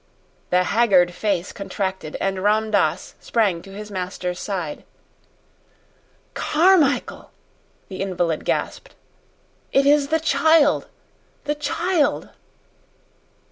The haggard face contracted, and Ram Dass sprang to his master's side. "Carmichael," the invalid gasped, "it is the child the child!"